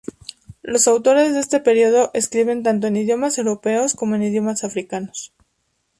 Los autores de este periodo escriben tanto en idiomas europeos como en idiomas africanos.